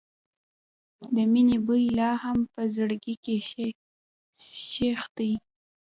د مینې بوی لا هم په زړګي کې ښخ دی.